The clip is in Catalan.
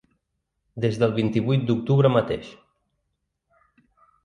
Des del vint-i-vuit d’octubre mateix.